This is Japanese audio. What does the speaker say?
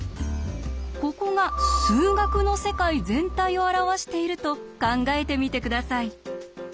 ここが「数学の世界」全体を表していると考えてみて下さい。